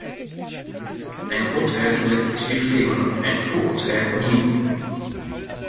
Ein Urteil lässt sich widerlegen, ein Vorurteil nie.